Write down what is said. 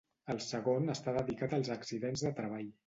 El segon està dedicat als accidents de treball.